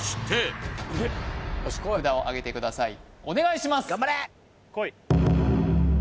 お願いします